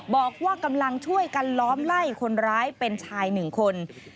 บอกว่ากำลังช่วยกันล้อมไล่คนร้ายเป็นชายหนึ่งคน